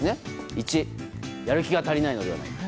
１、やる気が足りないのではないか。